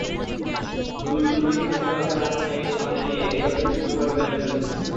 দু-দুটি মাইলফলকের হাতছানি সামনে নিয়ে এজবাস্টন টেস্টটা শুরু করেছিলেন মিচেল জনসন।